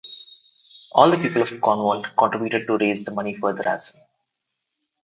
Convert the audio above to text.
All the people of Cornwall contributed to raise the money for the ransom.